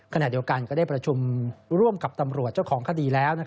ขณะเดียวกันก็ได้ประชุมร่วมกับตำรวจเจ้าของคดีแล้ว